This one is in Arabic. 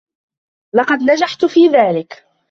لقد نجحت في ذلك.